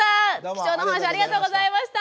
貴重なお話ありがとうございました。